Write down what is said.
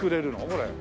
これ。